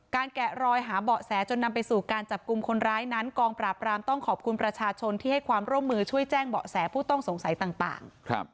แกะรอยหาเบาะแสจนนำไปสู่การจับกลุ่มคนร้ายนั้นกองปราบรามต้องขอบคุณประชาชนที่ให้ความร่วมมือช่วยแจ้งเบาะแสผู้ต้องสงสัยต่าง